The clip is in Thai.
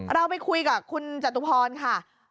เราไปคุยกับคุณจตุพรค่ะ